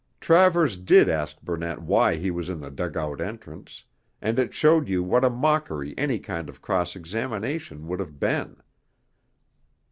Travers did ask Burnett why was he in the dug out entrance; and it showed you what a mockery any kind of cross examination would have been.